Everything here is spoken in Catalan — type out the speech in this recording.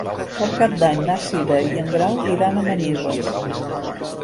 Per Cap d'Any na Cira i en Grau iran a Manises.